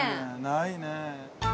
ないね。